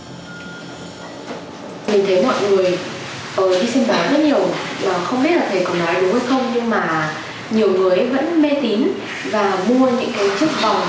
không biết thầy có nói đúng hay không nhưng mà nhiều người vẫn mê tín và mua những chiếc vòng